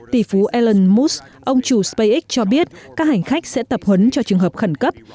tỷ phú elon musk ông chủ spacex cho biết các hành khách sẽ tập huấn cho trường hợp khẩn cấp